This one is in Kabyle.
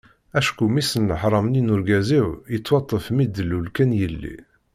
Acku mmi-s n leḥram-nni n urgaz-iw yettwaṭṭef mi d-tlul kan yelli.